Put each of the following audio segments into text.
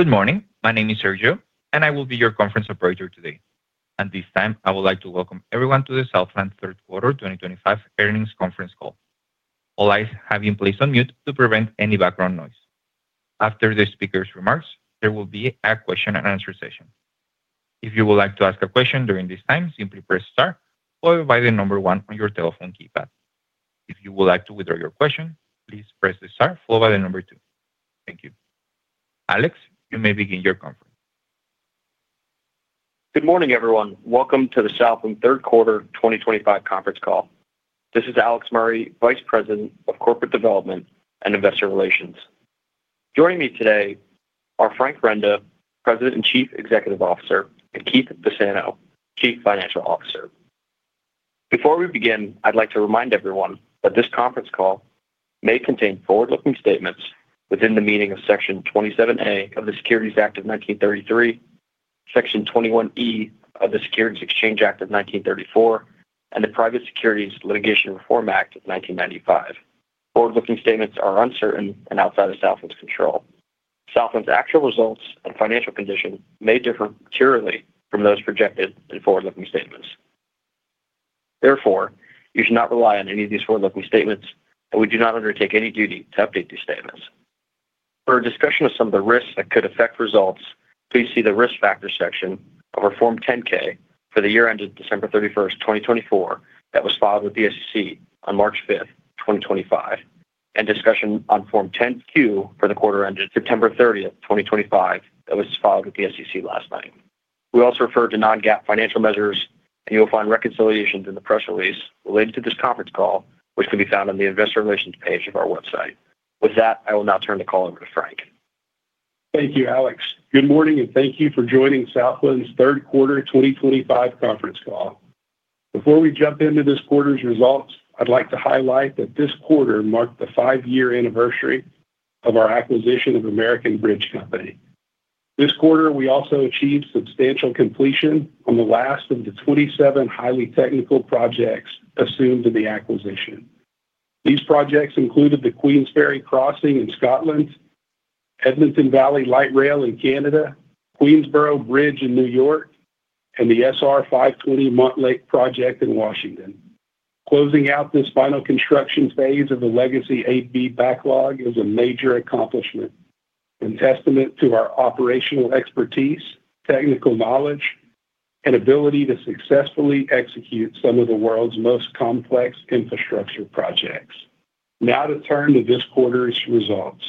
Good morning. My name is Sergio, and I will be your conference operator today. At this time, I would like to welcome everyone to the Southland third quarter 2025 earnings Conference Call. All lines have been placed on mute to prevent any background noise. After the speakers' remarks, there will be a question-and-answer session. If you would like to ask a question during this time, simply press star followed by the number one on your telephone keypad. If you would like to withdraw your question, please press star followed by the number two. Thank you. Alex, you may begin your conference. Good morning, everyone. Welcome to the Southland Third Quarter 2025 Conference Call. This is Alex Murray, Vice President of Corporate Development and Investor Relations. Joining me today are Frank Renda, President and Chief Executive Officer, and Keith Bassano, Chief Financial Officer. Before we begin, I'd like to remind everyone that this Conference Call may contain forward-looking statements within the meaning of Section 27A of the Securities Act of 1933, Section 21E of the Securities Exchange Act of 1934, and the Private Securities Litigation Reform Act of 1995. Forward-looking statements are uncertain and outside of Southland's control. Southland's actual results and financial condition may differ materially from those projected in forward-looking statements. Therefore, you should not rely on any of these forward-looking statements, and we do not undertake any duty to update these statements. For a discussion of some of the risks that could affect results, please see the Risk Factors section of our Form 10-K for the year ended December 31, 2024, that was filed with the SEC on March 5, 2025, and discussion on Form 10-Q for the quarter ended September 30, 2025, that was filed with the SEC last night. We also refer to non-GAAP financial measures, and you'll find reconciliations in the press release related to this Conference Call, which can be found on the Investor Relations page of our website. With that, I will now turn the call over to Frank. Thank you, Alex. Good morning, and thank you for joining Southland's Third Quarter 2025 conference call. Before we jump into this quarter's results, I'd like to highlight that this quarter marked the five-year anniversary of our acquisition of American Bridge Company. This quarter, we also achieved substantial completion on the last of the 27 highly technical projects assumed in the acquisition. These projects included the Queens Ferry Crossing in Scotland, Edmonton Valley Light Rail in Canada, Queensborough Bridge in New York, and the SR 520 Montlake project in Washington. Closing out this final construction phase of the Legacy Eight billion dollars backlog is a major accomplishment and testament to our operational expertise, technical knowledge, and ability to successfully execute some of the world's most complex infrastructure projects. Now to turn to this quarter's results.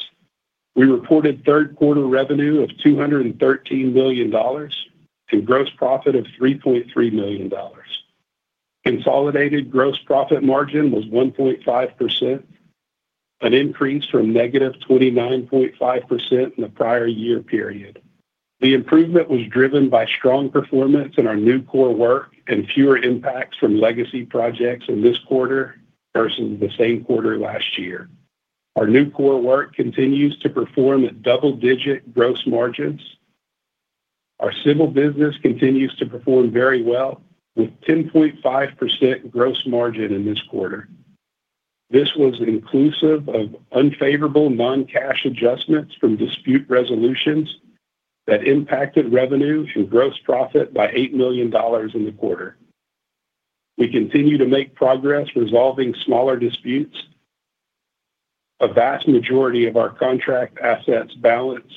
We reported third quarter revenue of $213 million and gross profit of $3.3 million. Consolidated gross profit margin was 1.5%, an increase from negative 29.5% in the prior year period. The improvement was driven by strong performance in our new core work and fewer impacts from legacy projects in this quarter versus the same quarter last year. Our new core work continues to perform at double-digit gross margins. Our civil business continues to perform very well with 10.5% gross margin in this quarter. This was inclusive of unfavorable non-cash adjustments from dispute resolutions that impacted revenue and gross profit by Eight million dollars in the quarter. We continue to make progress resolving smaller disputes. A vast majority of our contract assets balance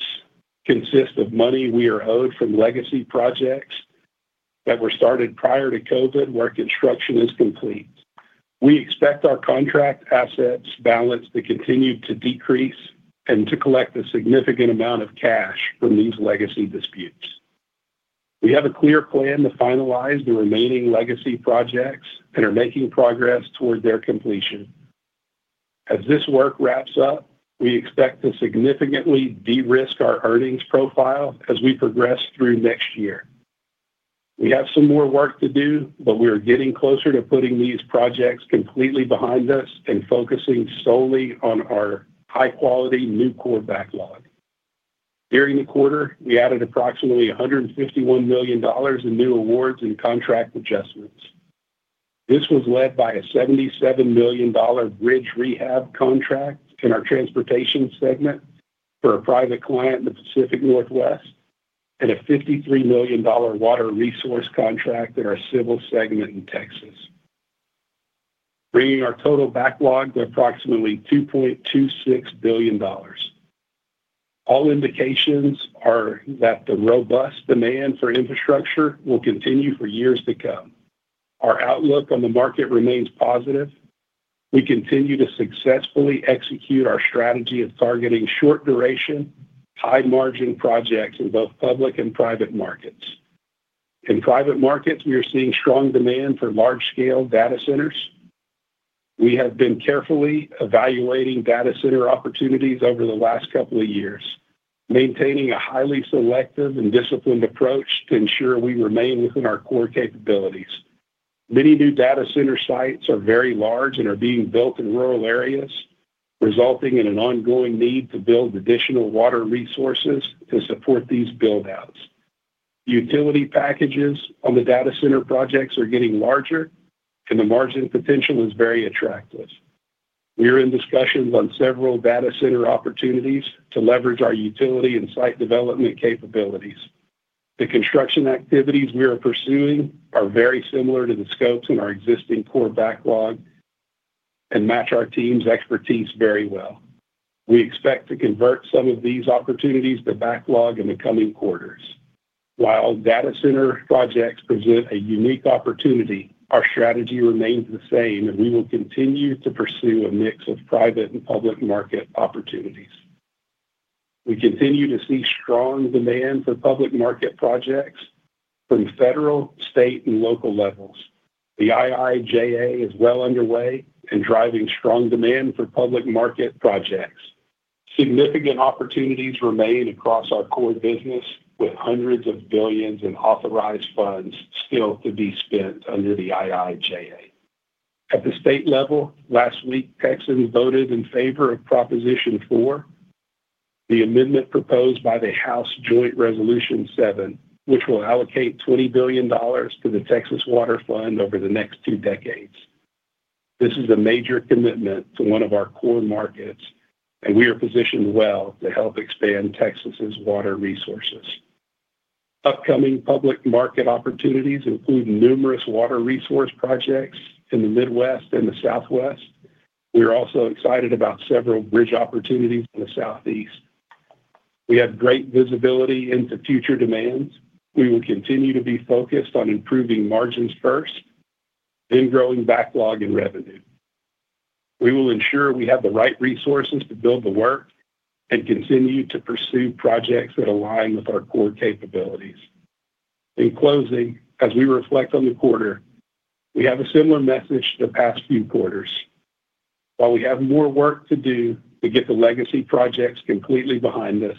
consist of money we are owed from legacy projects that were started prior to COVID where construction is complete. We expect our contract assets balance to continue to decrease and to collect a significant amount of cash from these legacy disputes. We have a clear plan to finalize the remaining legacy projects and are making progress toward their completion. As this work wraps up, we expect to significantly de-risk our earnings profile as we progress through next year. We have some more work to do, but we are getting closer to putting these projects completely behind us and focusing solely on our high-quality new core backlog. During the quarter, we added approximately $151 million in new awards and contract adjustments. This was led by a $77 million bridge rehab contract in our Transportation segment for a private client in the Pacific Northwest and a $53 million water resource contract in our Civil segment in Texas, bringing our total backlog to approximately $2.26 billion. All indications are that the robust demand for infrastructure will continue for years to come. Our outlook on the market remains positive. We continue to successfully execute our strategy of targeting short-duration, high-margin projects in both public and private markets. In private markets, we are seeing strong demand for large-scale data centers. We have been carefully evaluating data center opportunities over the last couple of years, maintaining a highly selective and disciplined approach to ensure we remain within our core capabilities. Many new data center sites are very large and are being built in rural areas, resulting in an ongoing need to build additional water resources to support these buildouts. Utility packages on the data center projects are getting larger, and the margin potential is very attractive. We are in discussions on several data center opportunities to leverage our utility and site development capabilities. The construction activities we are pursuing are very similar to the scopes in our existing core backlog and match our team's expertise very well. We expect to convert some of these opportunities to backlog in the coming quarters. While data center projects present a unique opportunity, our strategy remains the same, and we will continue to pursue a mix of private and public market opportunities. We continue to see strong demand for public market projects from federal, state, and local levels. The IIJA is well underway and driving strong demand for public market projects. Significant opportunities remain across our core business, with hundreds of billions in authorized funds still to be spent under the IIJA. At the state level, last week, Texans voted in favor of Proposition four, the amendment proposed by the House Joint Resolution seven, which will allocate $20 billion to the Texas Water Fund over the next two decades. This is a major commitment to one of our core markets, and we are positioned well to help expand Texas' water resources. Upcoming public market opportunities include numerous water resource projects in the Midwest and the Southwest. We are also excited about several bridge opportunities in the Southeast. We have great visibility into future demands. We will continue to be focused on improving margins first, then growing backlog and revenue. We will ensure we have the right resources to build the work and continue to pursue projects that align with our core capabilities. In closing, as we reflect on the quarter, we have a similar message to the past few quarters. While we have more work to do to get the legacy projects completely behind us,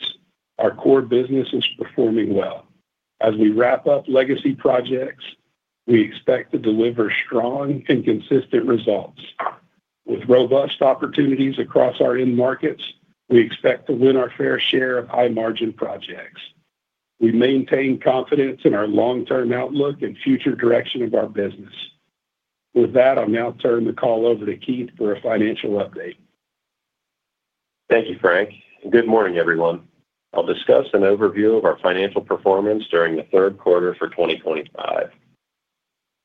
our core business is performing well. As we wrap up legacy projects, we expect to deliver strong and consistent results. With robust opportunities across our end markets, we expect to win our fair share of high-margin projects. We maintain confidence in our long-term outlook and future direction of our business. With that, I'll now turn the call over to Keith for a financial update. Thank you, Frank. Good morning, everyone. I'll discuss an overview of our financial performance during the third quarter for 2025.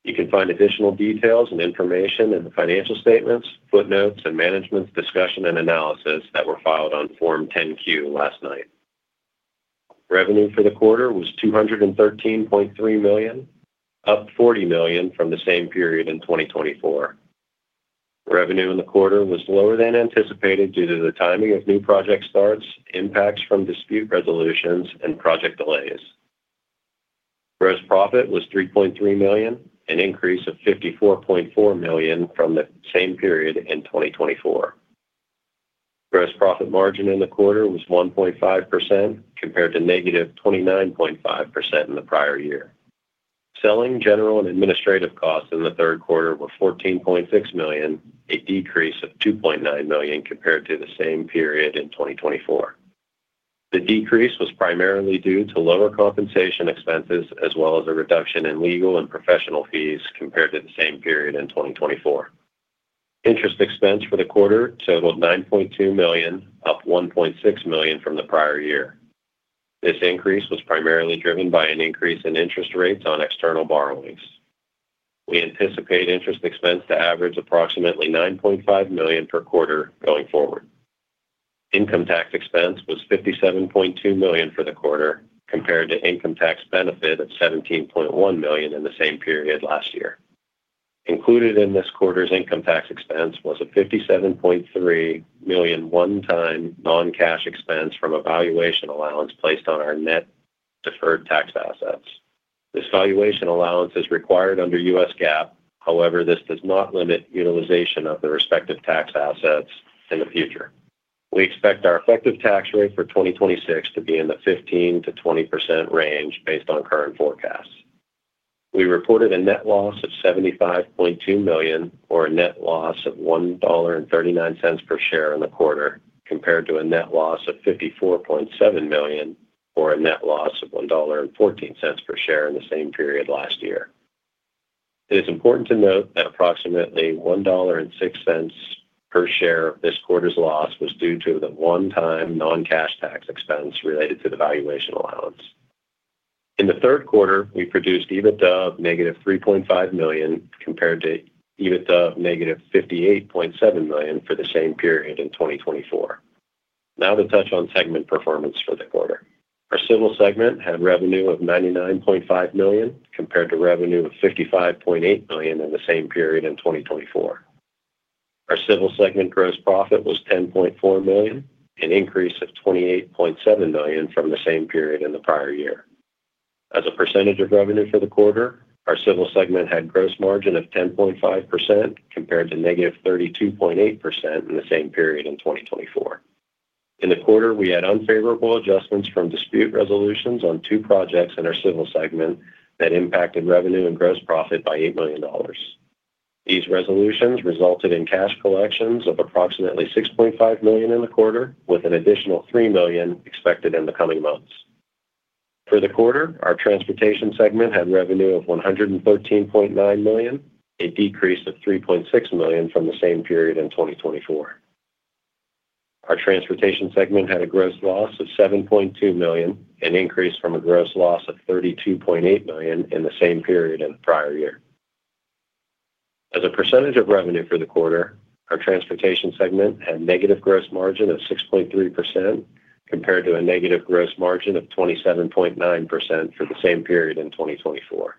You can find additional details and information in the financial statements, footnotes, and management's discussion and analysis that were filed on Form 10-Q last night. Revenue for the quarter was $213.3 million, up $40 million from the same period in 2024. Revenue in the quarter was lower than anticipated due to the timing of new project starts, impacts from dispute resolutions, and project delays. Gross profit was $3.3 million, an increase of $54.4 million from the same period in 2024. Gross profit margin in the quarter was 1.5% compared to negative 29.5% in the prior year. Selling, general, and administrative costs in the third quarter were $14.6 million, a decrease of $2.9 million compared to the same period in 2024. The decrease was primarily due to lower compensation expenses as well as a reduction in legal and professional fees compared to the same period in 2024. Interest expense for the quarter totaled $9.2 million, up $1.6 million from the prior year. This increase was primarily driven by an increase in interest rates on external borrowings. We anticipate interest expense to average approximately $9.5 million per quarter going forward. Income tax expense was $57.2 million for the quarter compared to income tax benefit of $17.1 million in the same period last year. Included in this quarter's income tax expense was a $57.3 million one-time non-cash expense from a valuation allowance placed on our net deferred tax assets. This valuation allowance is required under US GAAP. However, this does not limit utilization of the respective tax assets in the future. We expect our effective tax rate for 2026 to be in the 15%-20% range based on current forecasts. We reported a net loss of $75.2 million or a net loss of $1.39 per share in the quarter compared to a net loss of $54.7 million or a net loss of $1.14 per share in the same period last year. It is important to note that approximately $1.06 per share of this quarter's loss was due to the one-time non-cash tax expense related to the valuation allowance. In the third quarter, we produced EBITDA of negative $3.5 million compared to EBITDA of negative $58.7 million for the same period in 2024. Now to touch on segment performance for the quarter. Our Civil segment had revenue of $99.5 million compared to revenue of $55.8 million in the same period in 2024. Our Civil segment gross profit was $10.4 million, an increase of $28.7 million from the same period in the prior year. As a percentage of revenue for the quarter, our Civil segment had gross margin of 10.5% compared to negative 32.8% in the same period in 2024. In the quarter, we had unfavorable adjustments from dispute resolutions on two projects in our Civil segment that impacted revenue and gross profit by Eight million dollars. These resolutions resulted in cash collections of approximately $6.5 million in the quarter, with an additional Three million dollars expected in the coming months. For the quarter, our Transportation segment had revenue of $113.9 million, a decrease of $3.6 million from the same period in 2024. Our Transportation segment had a gross loss of $7.2 million, an increase from a gross loss of $32.8 million in the same period in the prior year. As a percentage of revenue for the quarter, our Transportation segment had a negative gross margin of 6.3% compared to a negative gross margin of 27.9% for the same period in 2024.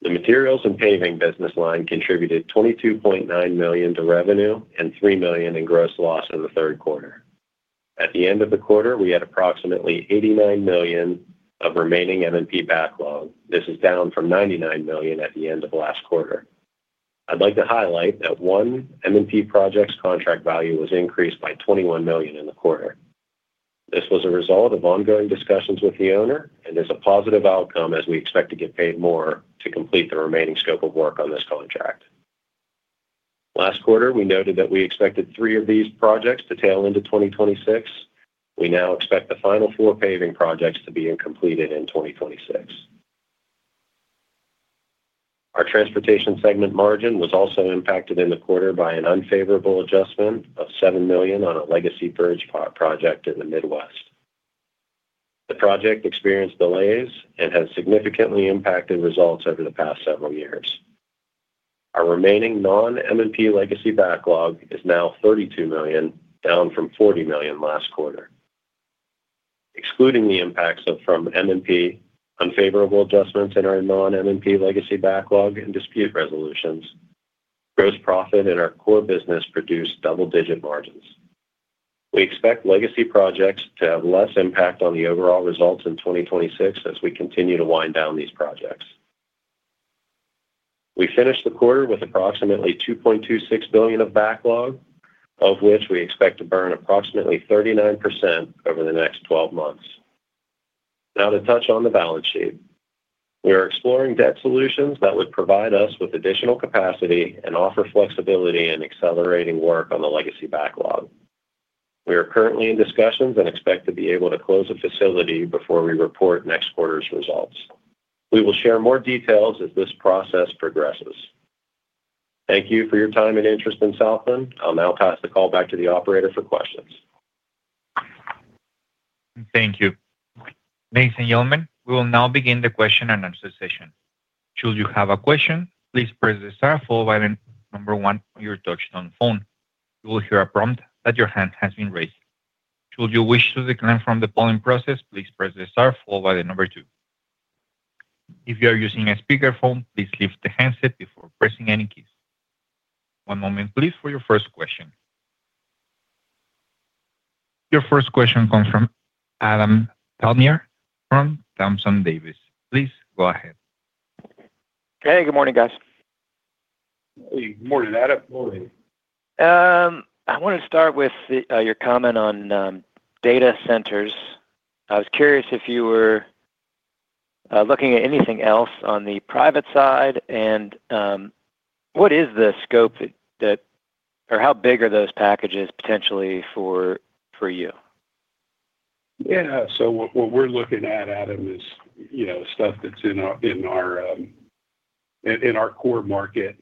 The Materials and Paving business line contributed $22.9 million to revenue and Three million dollars in gross loss in the third quarter. At the end of the quarter, we had approximately $89 million of remaining M&P backlog. This is down from $99 million at the end of last quarter. I'd like to highlight that one M&P project's contract value was increased by $21 million in the quarter. This was a result of ongoing discussions with the owner and is a positive outcome as we expect to get paid more to complete the remaining scope of work on this contract. Last quarter, we noted that we expected three of these projects to tail into 2026. We now expect the final four paving projects to be completed in 2026. Our Transportation segment margin was also impacted in the quarter by an unfavorable adjustment of seven million dollars on a legacy bridge project in the Midwest. The project experienced delays and has significantly impacted results over the past several years. Our remaining non-M&P legacy backlog is now $32 million, down from $40 million last quarter. Excluding the impacts from M&P, unfavorable adjustments in our non-M&P legacy backlog and dispute resolutions, gross profit in our core business produced double-digit margins. We expect legacy projects to have less impact on the overall results in 2026 as we continue to wind down these projects. We finished the quarter with approximately $2.26 billion of backlog, of which we expect to burn approximately 39% over the next 12 months. Now to touch on the balance sheet. We are exploring debt solutions that would provide us with additional capacity and offer flexibility in accelerating work on the legacy backlog. We are currently in discussions and expect to be able to close a facility before we report next quarter's results. We will share more details as this process progresses. Thank you for your time and interest in Southland. I'll now pass the call back to the operator for questions. Thank you. Mason Yeoman, we will now begin the question and answer session. Should you have a question, please press the star followed by the number one on your touch-tone phone. You will hear a prompt that your hand has been raised. Should you wish to decline from the polling process, please press the star followed by the number two. If you are using a speakerphone, please lift the handset before pressing any keys. One moment, please, for your first question. Your first question comes from Adam Thalhimer from Thompson Davis. Please go ahead. Hey, good morning, guys. Hey, good morning, Adam. Morning. I want to start with your comment on data centers. I was curious if you were looking at anything else on the private side, and what is the scope that or how big are those packages potentially for you? Yeah, so what we're looking at, Adam, is stuff that's in our core market.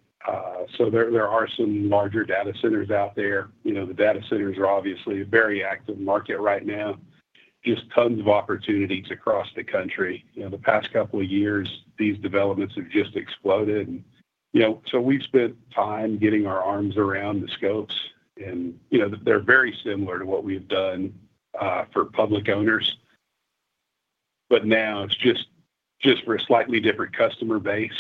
There are some larger data centers out there. The data centers are obviously a very active market right now. Just tons of opportunities across the country. The past couple of years, these developments have just exploded. We've spent time getting our arms around the scopes, and they're very similar to what we've done for public owners. Now, it's just for a slightly different customer base.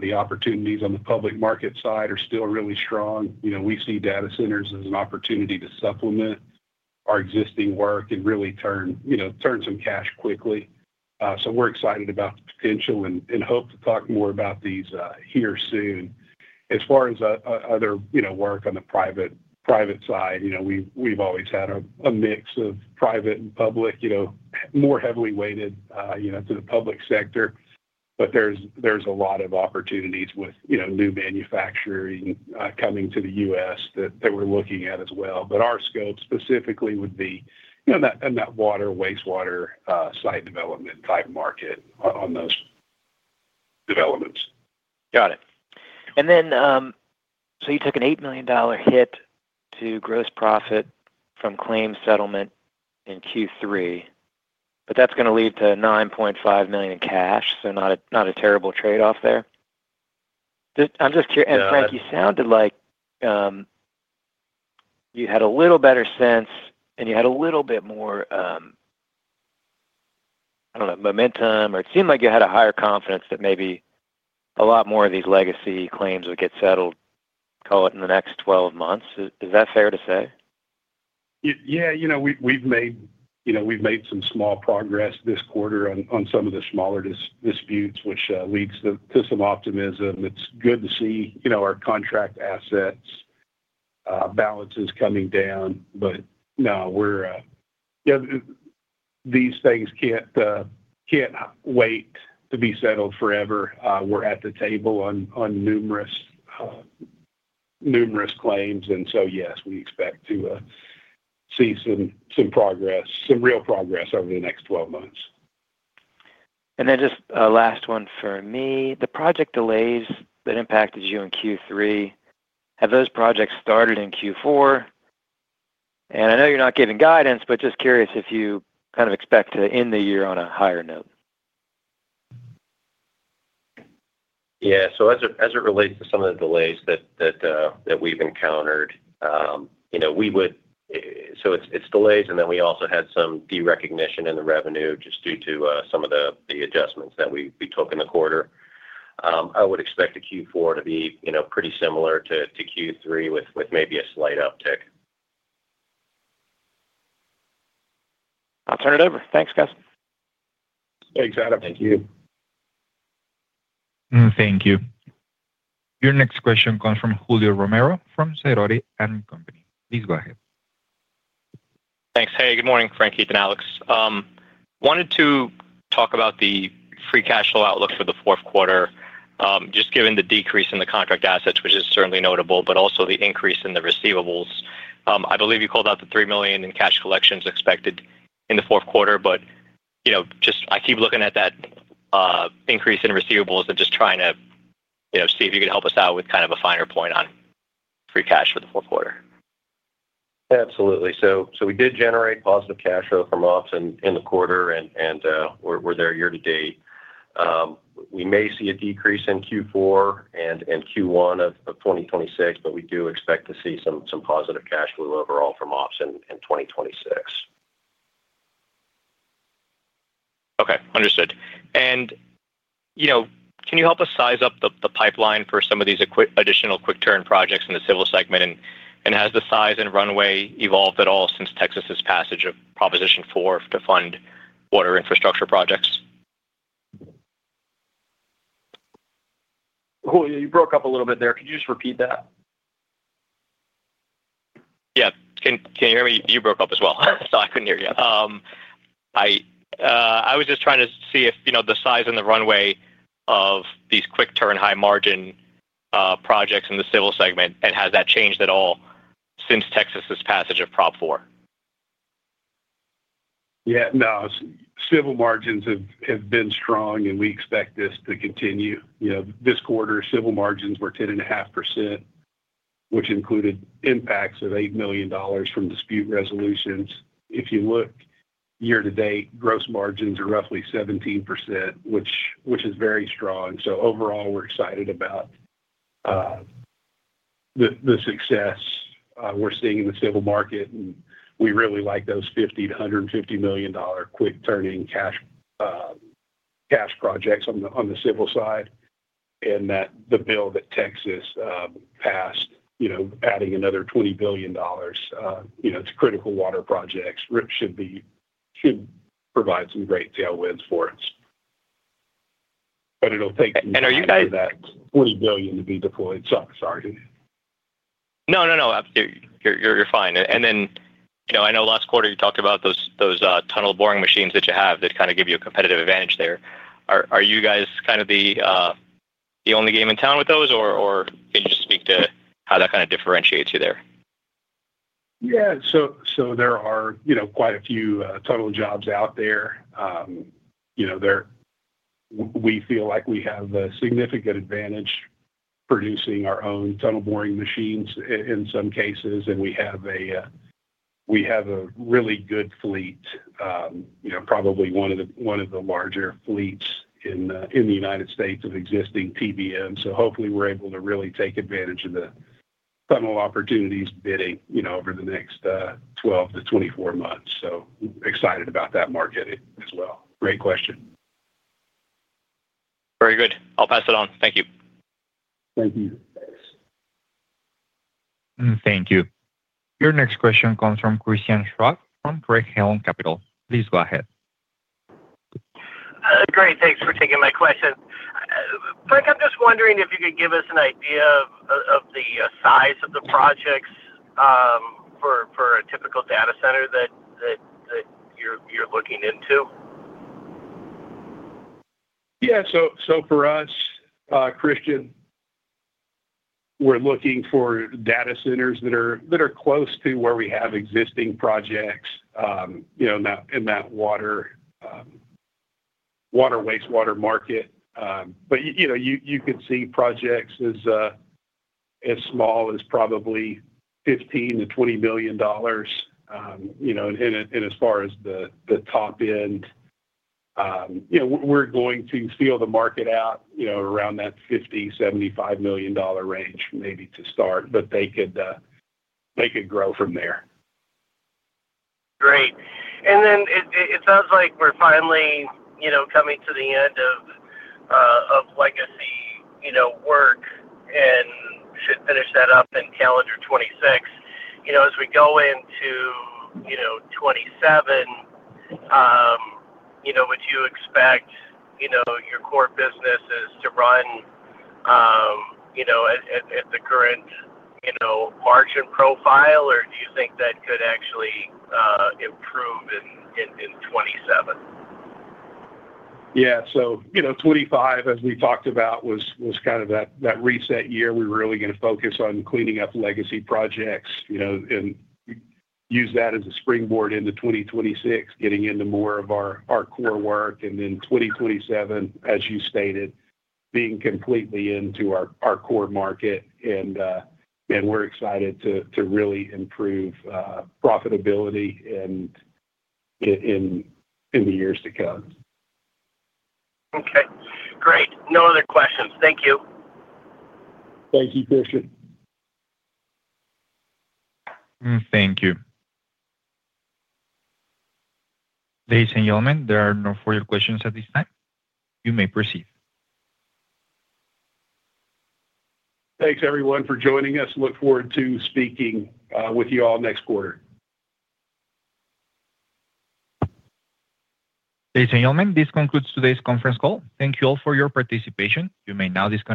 The opportunities on the public market side are still really strong. We see data centers as an opportunity to supplement our existing work and really turn some cash quickly. We're excited about the potential and hope to talk more about these here soon. As far as other work on the private side, we've always had a mix of private and public, more heavily weighted to the public sector. There are a lot of opportunities with new manufacturing coming to the U.S. that we're looking at as well. Our scope specifically would be in that water, wastewater site development type market on those developments. Got it. You took an Eight million dollars hit to gross profit from claim settlement in Q3, but that is going to lead to $9.5 million in cash, so not a terrible trade-off there. I am just curious. Frank, you sounded like you had a little better sense and you had a little bit more, I do not know, momentum, or it seemed like you had a higher confidence that maybe a lot more of these legacy claims would get settled, call it, in the next 12 months. Is that fair to say? Yeah, we've made some small progress this quarter on some of the smaller disputes, which leads to some optimism. It's good to see our contract assets' balances coming down. No, these things can't wait to be settled forever. We're at the table on numerous claims. Yes, we expect to see some progress, some real progress over the next 12 months. Just a last one for me. The project delays that impacted you in Q3, have those projects started in Q4? I know you're not giving guidance, but just curious if you kind of expect to end the year on a higher note. Yeah, so as it relates to some of the delays that we've encountered, we would, so it's delays, and then we also had some derecognition in the revenue just due to some of the adjustments that we took in the quarter. I would expect Q4 to be pretty similar to Q3 with maybe a slight uptick. I'll turn it over. Thanks, guys. Thanks, Adam. Thank you. Thank you. Your next question comes from Julio Romero from Sidoti & Company. Please go ahead. Thanks. Hey, good morning, Frank, Keith, and Alex. Wanted to talk about the free cash flow outlook for the fourth quarter, just given the decrease in the contract assets, which is certainly notable, but also the increase in the receivables. I believe you called out the Three million dollars in cash collections expected in the fourth quarter, but just I keep looking at that increase in receivables and just trying to see if you could help us out with kind of a finer point on free cash for the fourth quarter. Absolutely. We did generate positive cash flow from ops in the quarter, and we're there year to date. We may see a decrease in Q4 and Q1 of 2026, but we do expect to see some positive cash flow overall from ops in 2026. Okay, understood. Can you help us size up the pipeline for some of these additional quick-turn projects in the Civil segment? Has the size and runway evolved at all since Texas's passage of Proposition four to fund water infrastructure projects? Julio, you broke up a little bit there. Could you just repeat that? Yeah. Can you hear me? You broke up as well, so I couldn't hear you. I was just trying to see if the size and the runway of these quick-turn high-margin projects in the Civil segment, and has that changed at all since Texas's passage of Proposition four? Yeah, no, civil margins have been strong, and we expect this to continue. This quarter, civil margins were 10.5%, which included impacts of Eight million dollars from dispute resolutions. If you look year to date, gross margins are roughly 17%, which is very strong. Overall, we're excited about the success we're seeing in the civil market, and we really like those $50-$150 million quick-turning cash projects on the civil side and that the bill that Texas passed, adding another $20 billion to critical water projects, should provide some great tailwinds for us. It will take some time for that $20 billion to be deployed. Sorry. No, no, you're fine. I know last quarter you talked about those tunnel boring machines that you have that kind of give you a competitive advantage there. Are you guys kind of the only game in town with those, or can you just speak to how that kind of differentiates you there? Yeah, so there are quite a few tunnel jobs out there. We feel like we have a significant advantage producing our own tunnel boring machines in some cases, and we have a really good fleet, probably one of the larger fleets in the United States of existing TBMs. Hopefully, we're able to really take advantage of the tunnel opportunities bidding over the next 12-24 months. Excited about that market as well. Great question. Very good. I'll pass it on. Thank you. Thank you. Thank you. Your next question comes from Christian Schwab from Craig-Hallum Capital Group. Please go ahead. Great. Thanks for taking my question. Frank, I'm just wondering if you could give us an idea of the size of the projects for a typical data center that you're looking into. Yeah, so for us, Christian, we're looking for data centers that are close to where we have existing projects in that water wastewater market. You could see projects as small as probably $15-$20 million. As far as the top end, we're going to feel the market out around that $50-$75 million range maybe to start, but they could grow from there. Great. It sounds like we're finally coming to the end of legacy work and should finish that up in calendar 2026. As we go into 2027, would you expect your core businesses to run at the current margin profile, or do you think that could actually improve in 2027? Yeah, so 2025, as we talked about, was kind of that reset year. We were really going to focus on cleaning up legacy projects and use that as a springboard into 2026, getting into more of our core work. 2027, as you stated, being completely into our core market, and we're excited to really improve profitability in the years to come. Okay. Great. No other questions. Thank you. Thank you, Christian. Thank you. Mason Yeoman, there are no further questions at this time. You may proceed. Thanks, everyone, for joining us. Look forward to speaking with you all next quarter. Mason Yeoman, this concludes today's conference call. Thank you all for your participation. You may now disconnect.